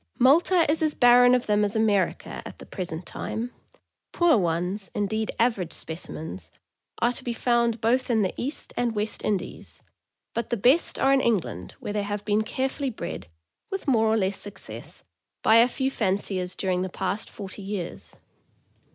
Malta is as barren of them as America, at the present time; poor ones, indeed average specimens, are to be found both in the East and West Indies, but the best are in Eng land, where they have been carefully bred, with more or less success, by a few fanciers during the past forty years.